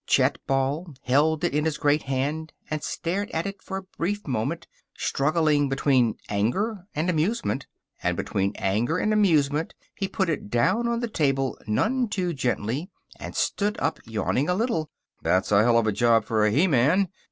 Chet Ball held it in his great hand and stared at it for a brief moment, struggling between anger and amusement. And between anger and amusement he put it down on the table none too gently and stood up, yawning a little. "That's a hell of a job for a he man!"